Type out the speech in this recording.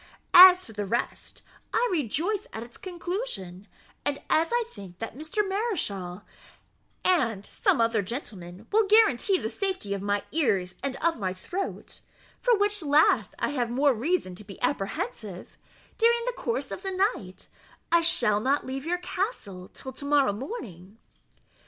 As to the rest, I rejoice at its conclusion; and as I think that Mr. Mareschal and some other gentlemen will guarantee the safety of my ears and of my throat (for which last I have more reason to be apprehensive) during the course of the night, I shall not leave your castle till to morrow morning."